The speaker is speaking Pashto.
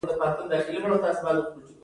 د ګلکسي شیدې لار شاوخوا سل ملیارده ستوري لري.